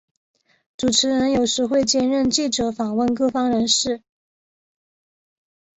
主持人有时会兼任记者访问各方人士。